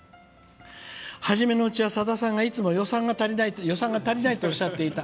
初めのうちは、さださんが予算が足りない予算が足りないとおっしゃっていた。